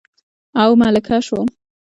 او ملکه شوم